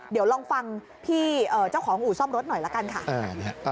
เดี๋ยวลองฟังพี่เจ้าของอู่ซ่อมรถหน่อยละกันค่ะ